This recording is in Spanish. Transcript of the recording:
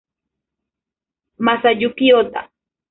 Masayuki Ota